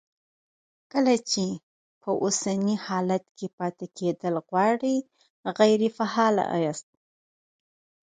کله چې په اوسني حالت کې پاتې کېدل غواړئ غیر فعال یاست.